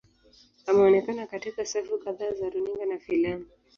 Ameonekana katika safu kadhaa za runinga na filamu.